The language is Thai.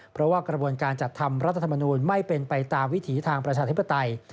เพราะว่ากระบวนการจัดทำรัฐธรรมนูลไม่เป็นไปตามวิถีทางประชาธิปไตย